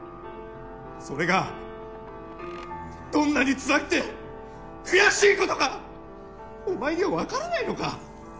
それがどんなにつらくて悔しいことかお前には分からないのか？